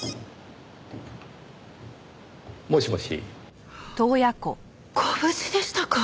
もしもし？ご無事でしたか！